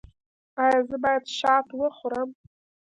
ایا زه باید شات وخورم؟